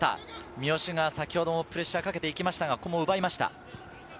三好が先ほどもプレッシャーをかけていましたが、ここも奪いました。